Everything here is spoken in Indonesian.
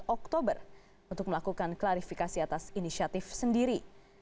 dua puluh empat oktober untuk melakukan klarifikasi atas inisiatif sendiri